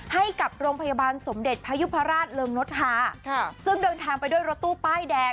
ให้กับโรงพยาบาลสมเด็จพยุพราชเริงนดฮาค่ะซึ่งเดินทางไปด้วยรถตู้ป้ายแดง